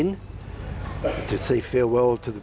ตรงนี้ก็ไม่มีเวลาล่ะ